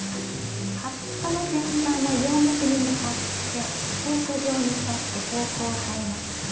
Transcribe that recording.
葉っぱの先端は葉脈に向かって放射状に刺して方向を変えます。